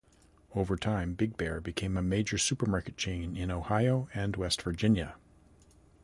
Over time, Big Bear became a major supermarket chain in Ohio and West Virginia.